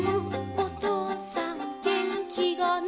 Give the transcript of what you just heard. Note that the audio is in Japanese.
おとうさんげんきがない」